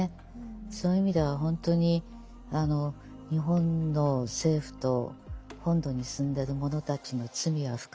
そういう意味では本当に日本の政府と本土に住んでる者たちの罪は深いですね。